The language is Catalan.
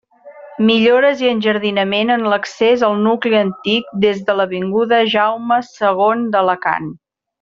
Millores i enjardinament en l'accés al nucli antic des de l'avinguda Jaume segon d'Alacant.